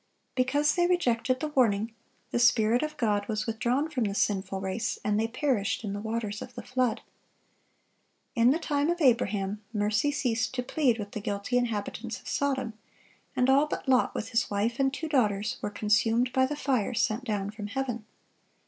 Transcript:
Because they rejected the warning, the Spirit of God was withdrawn from the sinful race, and they perished in the waters of the flood. In the time of Abraham, mercy ceased to plead with the guilty inhabitants of Sodom, and all but Lot with his wife and two daughters, were consumed by the fire sent down from heaven.